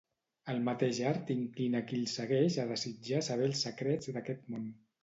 El mateix art inclina a qui el segueix a desitjar saber els secrets d'aquest món.